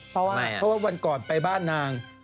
เพราะว่าเพราะว่าวันก่อนไปบ้านนาง